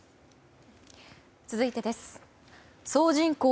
続いてです。